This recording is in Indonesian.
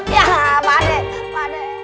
ya pak deh